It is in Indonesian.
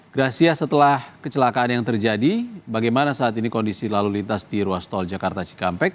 gracia setelah kecelakaan yang terjadi bagaimana saat ini kondisi lalu lintas di ruas tol jakarta cikampek